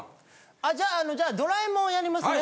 あじゃあドラえもんやりますね。